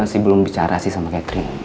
saya masih belum bicara sih sama catherine